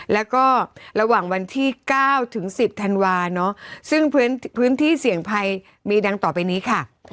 แล้วก็ระหว่างวันที่เก้าถึงสิบธันวาส์เนอะซึ่งพื้นพื้นที่เสี่ยงภัยมีดังต่อไปนี้ค่ะ